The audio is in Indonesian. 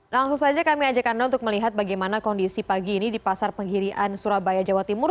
langsung saja kami ajak anda untuk melihat bagaimana kondisi pagi ini di pasar penggirian surabaya jawa timur